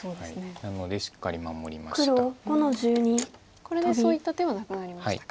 これでそういった手はなくなりましたか。